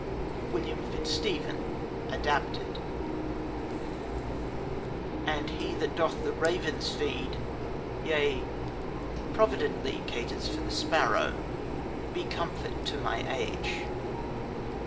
WILLIAM FITZSTEPHEN (Adapted) And He that doth the ravens feed, Yea, providently caters for the sparrow, Be comfort to my age!